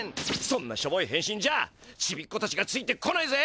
そんなしょぼいへんしんじゃちびっこたちがついてこないぜ。